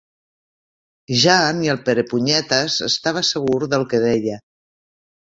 Ja ni el Perepunyetes estava segur del que deia.